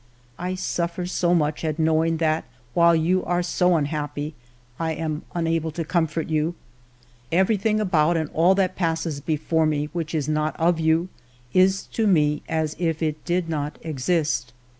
I suf fer so much at knowing that while you are so un happy, I am unable to comfort you. Everything 58 FIVE YEARS OF MY LIFE about, and all that passes before me, which is not of you, is to me as if it did not exist.